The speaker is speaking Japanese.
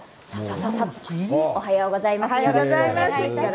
おはようございます。